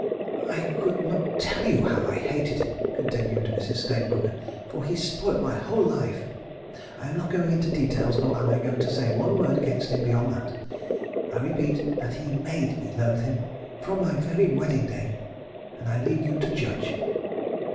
"I could not tell you how I hated him," continued Mrs. Stayne Brooker, "for he spoilt my whole life. ... I am not going into details nor am I going to say one word against him beyond that. I repeat that he made me loathe him—from my very wedding day ... and I leave you to judge.